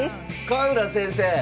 深浦先生！